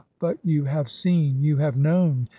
But, you have seen ! You have known